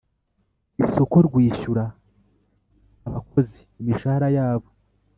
isoko rwishyura abakozi imishahara yabo